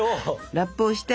ラップをして。